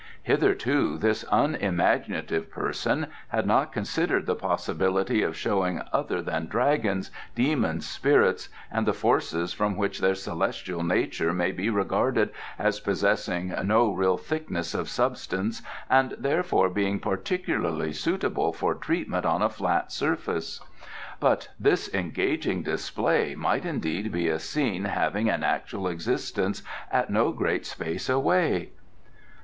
Hitherto this unimaginative person had not considered the possibility of showing other than dragons, demons, spirits, and the forces which from their celestial nature may be regarded as possessing no real thickness of substance and therefore being particularly suitable for treatment on a flat surface. But this engaging display might indeed be a scene having an actual existence at no great space away."